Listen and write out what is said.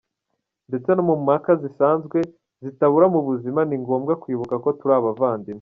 Ndetse no mu mpaka zisanzwe zitabura mu buzima, ni ngombwa kwibuka ko turi abavandimwe.